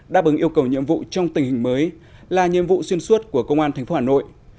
đáp ứng yêu cầu nhiệm vụ trong tình hình mới là nhiệm vụ xuyên suốt của công an tp hà nội